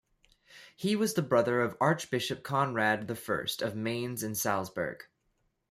He was the brother of Archbishop Conrad I of Mainz and Salzburg.